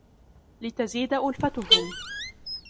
لِتَزِيدَ أُلْفَتُهُمْ